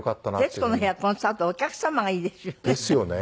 「徹子の部屋」コンサートはお客様がいいですよね。